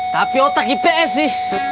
tapi otak ips sih